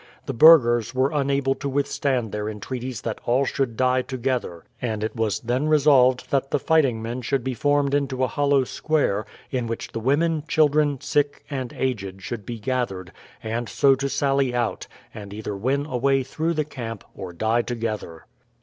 The burghers were unable to withstand their entreaties that all should die together, and it was then resolved that the fighting men should be formed into a hollow square, in which the women, children, sick, and aged should be gathered, and so to sally out, and either win a way through the camp or die together.